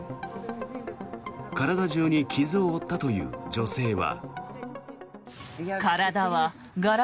体中に傷を負ったという女性は。